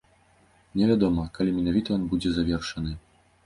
Невядома, калі менавіта ён будзе завершаны.